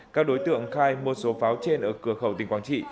các đối tượng khai mua số pháo trên ở cửa khẩu tỉnh quảng trị